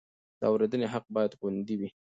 د اورېدنې حق باید خوندي وي.